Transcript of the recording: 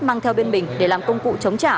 mang theo bên mình để làm công cụ chống trả